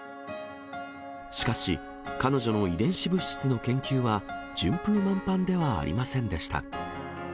しかし、彼女の遺伝子物質の研究は順風満帆ではありませんでした。